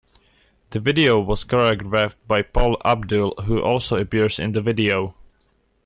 The video was choreographed by Paula Abdul, who also appears in the video.